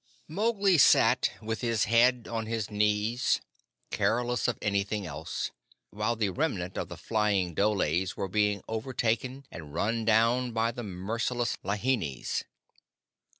Mowgli sat with the head on his knees, careless of anything else, while the remnant of the flying dholes were being overtaken and run down by the merciless lahinis.